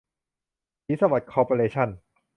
ศรีสวัสดิ์ คอร์ปอเรชั่น